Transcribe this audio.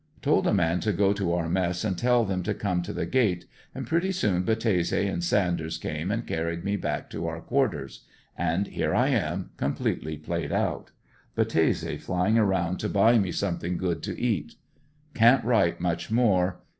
Told a man to go to our mess and tell them to come to the gate, and pretty soon Battese and Sanders came and carried me back to our quarters; and here I am, com pletely played out. Battese flying around to buy me something good to eat. Can't write much more.